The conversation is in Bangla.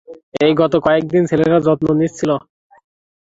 এই গত কয়েকদিন ছেলেরা যত্ন নিচ্ছিল।